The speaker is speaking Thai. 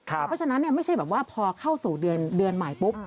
เพราะฉะนั้นไม่ใช่แบบว่าพอเข้าสู่เดือนใหม่ปุ๊บ